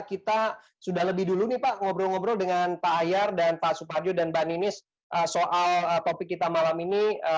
kita sudah lebih dulu nih pak ngobrol ngobrol dengan pak ayar dan pak suparjo dan mbak ninis soal topik kita malam ini